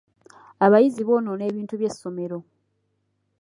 Abayizi bonoona ebintu by'essomero.